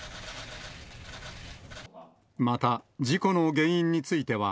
また事故の原因については、